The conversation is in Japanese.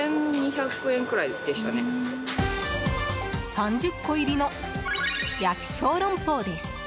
３０個入りの焼小龍包です。